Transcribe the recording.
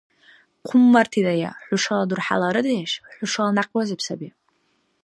Хъуммартидая: хӀушала дурхӀяла арадеш—хӀушала някъбазиб саби.